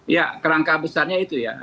ya kerangka besarnya itu ya